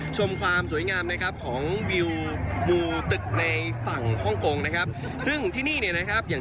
ชมความสวยงามวิวมูถึกฝั่งฝั่งฮ่อง